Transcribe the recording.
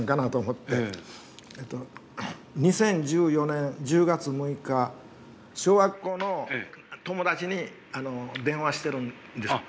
２０１４年１０月６日小学校の友達に電話してるんですけども。